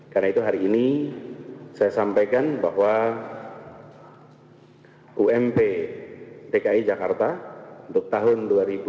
karena itu hari ini saya sampaikan bahwa ump dki jakarta untuk tahun dua ribu dua puluh